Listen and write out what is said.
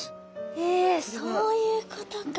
えそういうことか。